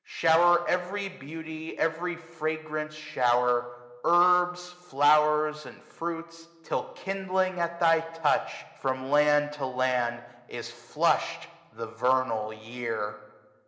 Shower every beauty, every fragance shower^^ Herbs, flow'rs, and fruits ; till, kindling at thy touch. From land to land is flushed the vernal year.